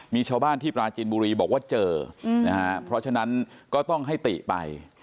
มีชาวบ้านที่ปราจินบุรีบอกว่าเจอนะฮะเพราะฉะนั้นก็ต้องให้ติไป